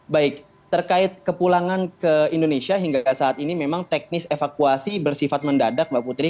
baik terkait kepulangan ke indonesia hingga saat ini memang teknis evakuasi bersifat mendadak mbak putri